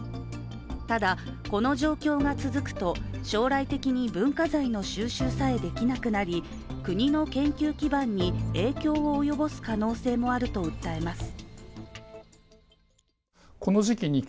ただ、この状況が続くと将来的に文化財の収集さえできなくなり国の研究基盤に影響を及ぼす可能性もあると訴えます。